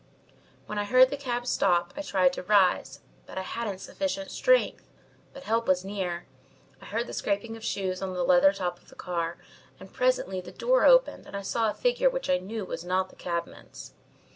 When I heard the cab stop I tried to rise, but I hadn't sufficient strength. But help was near. I heard the scraping of shoes on the leather top of the car, and presently the door opened and I saw a figure which I knew was not the cabman's.